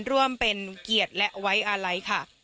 ร่วมเป็นเกียรติและไว้อาลัยค่ะ